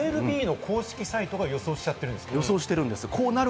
ＭＬＢの公式サイトが予想しちゃってるんですか？